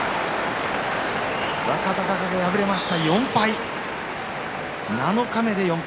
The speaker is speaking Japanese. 若隆景敗れました４敗。